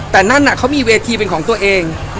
แต่นั่นเขามีเวทีเป็นของตัวเอง